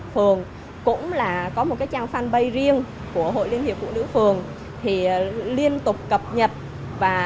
phường cũng là có một cái trang fanpage riêng của hội liên hiệp phụ nữ phường thì liên tục cập nhật và